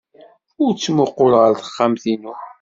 Ur ttmuqqul ɣer texxamt-inu.